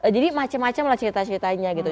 jadi macem macem lah cerita ceritanya gitu